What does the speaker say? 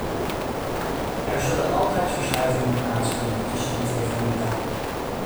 Er zullen altijd verschuivingen plaatsvinden tussen de twee valuta.